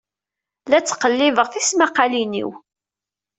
La ttqellibeɣ tismaqqalin-iw.